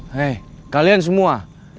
hei kalian semua